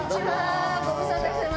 ご無沙汰してます。